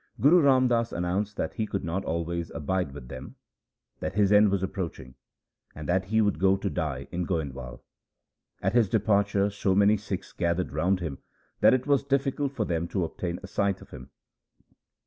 Guru Ram Das announced that he could not always abide with them, that his end was approaching, and that he would go to die in Goindwal. At his departure so many Sikhs gathered round him that it was difficult for them to obtain a sight of him.